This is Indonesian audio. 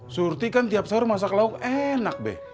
surti kan tiap sahur masak lauk enak be